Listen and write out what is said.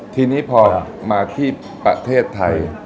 ทีนี้พอมาที่ประเทศไทย